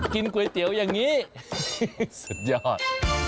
กินก๋วยเตี๋ยวอย่างนี้สุดยอด